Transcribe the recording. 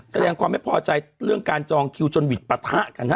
แสดงความไม่พอใจเรื่องการจองคิวจนวิทย์ปะทะกันฮะ